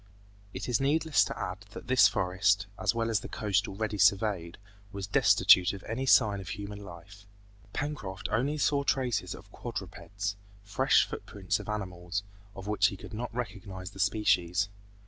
It is needless to add that this forest, as well as the coast already surveyed, was destitute of any sign of human life. Pencroft only saw traces of quadrupeds, fresh footprints of animals, of which he could not recognize the species.